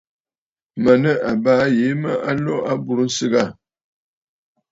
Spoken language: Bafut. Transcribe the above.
Mə̀ nɨ àbaa yìi mə a lo a aburə nsɨgə aà.